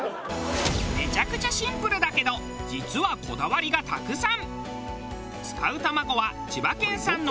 めちゃくちゃシンプルだけど実はこだわりがたくさん。